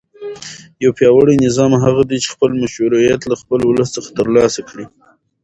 یو پیاوړی نظام هغه دی چې خپل مشروعیت له خپل ولس څخه ترلاسه کړي.